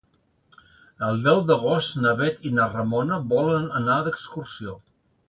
El deu d'agost na Bet i na Ramona volen anar d'excursió.